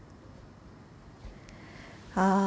ああ